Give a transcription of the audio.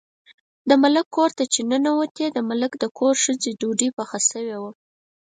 د ملک کور ته چې ننوتې، د ملک د ښځې ډوډۍ پخه شوې وه.